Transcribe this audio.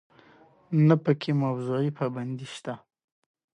نه په کې موضوعي پابندي شته.